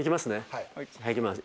はいいきます。